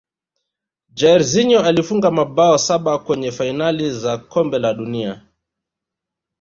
jairzinho alifunga mabao saba kwenye fainali za kombe la dunia